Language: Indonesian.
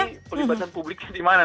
oke tapi pelibatan publiknya di mana